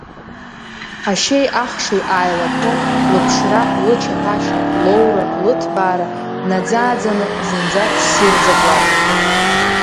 Ашьеи ахши ааилаҭәо, лыԥшра, лычаԥашьа, лоура, лыҭбаара, днаӡа-ааӡаны, зынӡа ссирӡак лакәын.